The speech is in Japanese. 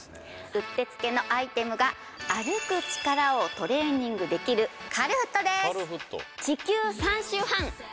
うってつけのアイテムが歩く力をトレーニングできるカルフットです